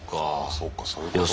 そっかそういうことか。